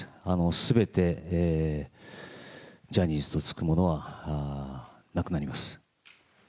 すべてジャニーズとつくものはなくなります。